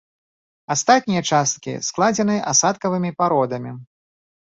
Астатнія часткі складзены асадкавымі пародамі.